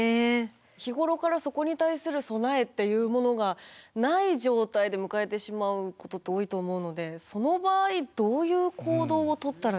日頃からそこに対する備えっていうものがない状態で迎えてしまうことって多いと思うのでその場合どういう行動をとったらいいんですかね？